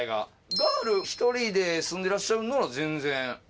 ガール１人で住んでらっしゃるなら全然。